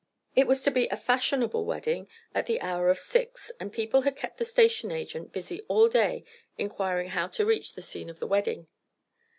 It was to be a fashionable wedding, at the hour of six, and people had kept the station agent busy all day inquiring how to reach the scene of the wedding.